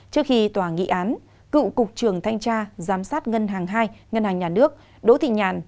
trước khi tòa nghị án cựu cục trưởng thanh tra giám sát ngân hàng hai ngân hàng nhà nước đỗ thị nhàn